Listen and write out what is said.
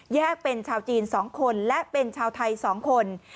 เป็นชาวจีน๒คนและเป็นชาวไทย๒คน